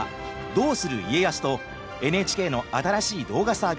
「どうする家康」とＮＨＫの新しい動画サービス